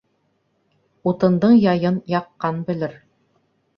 Утындың яйын яҡҡан белер.